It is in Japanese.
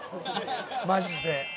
マジで。